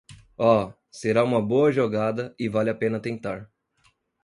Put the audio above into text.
Oh, será uma boa jogada e vale a pena tentar.